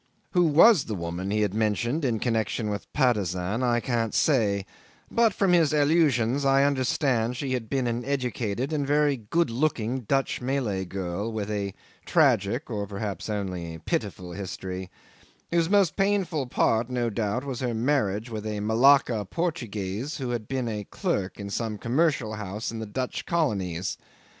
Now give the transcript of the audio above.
Who was the woman he had mentioned in connection with Patusan I can't say; but from his allusions I understand she had been an educated and very good looking Dutch Malay girl, with a tragic or perhaps only a pitiful history, whose most painful part no doubt was her marriage with a Malacca Portuguese who had been clerk in some commercial house in the Dutch colonies.